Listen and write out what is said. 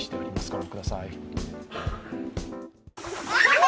御覧ください。